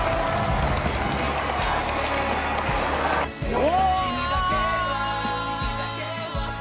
お！